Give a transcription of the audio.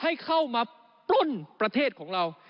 ให้เข้ามาปล้นประเทศของเรา